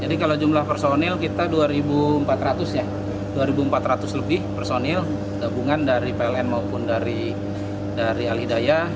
jadi kalau jumlah personil kita dua empat ratus ya dua empat ratus lebih personil gabungan dari pln maupun dari al hidayah